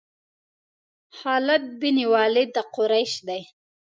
خالد بن ولید د قریش دی.